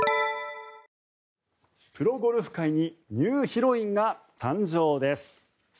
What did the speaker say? プロゴルフ界にニューヒロインが誕生です。